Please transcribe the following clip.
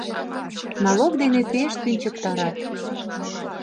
Налог дене пеш тӱнчыктарат...